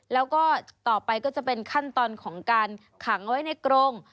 แล้วก็ต่อไปก็จะเป็นขั้นตอนของการขังไว้ในกรง